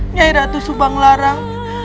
nyai ratu subang larang